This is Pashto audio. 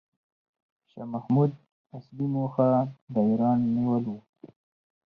شاه محمود اصلي موخه د ایران نیول و.